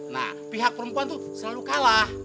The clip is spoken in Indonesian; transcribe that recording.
nah pihak perempuan tuh selalu kalah